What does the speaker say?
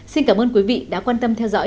xin cảm ơn quý vị đã quan tâm theo dõi